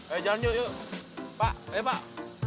eh jangan nyuruh yuk pak eh pak